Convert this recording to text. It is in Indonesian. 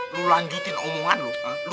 lu lanjutin omongan lu